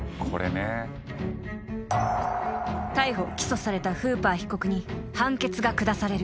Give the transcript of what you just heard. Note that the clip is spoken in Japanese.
［逮捕起訴されたフーパー被告に判決が下される］